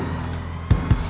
saya gak mau main kekerasan